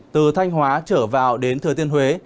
từ thanh hóa trở vào đến thừa tiên huế